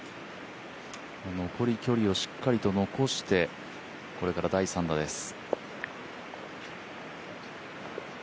残り距離をしっかりと残してこれから第３打です。